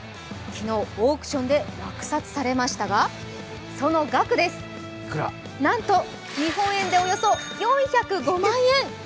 昨日オークションで落札されましたがその額です、なんと日本円でおよそ４０５万円。